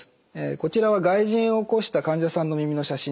こちらは外耳炎を起こした患者さんの耳の写真です。